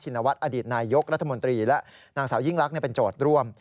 นวัฒนอดีตนายยกรัฐมนตรีและนางสาวยิ่งลักษณ์เป็นโจทย์ร่วม